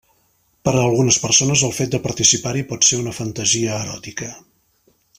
Per a algunes persones, el fet de participar-hi pot ser una fantasia eròtica.